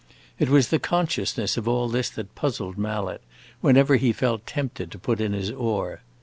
It was the consciousness of all this that puzzled Mallet whenever he felt tempted to put in his oar.